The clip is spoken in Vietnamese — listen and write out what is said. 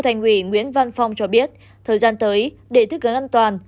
nguyễn văn phong cho biết thời gian tới để thức gắn an toàn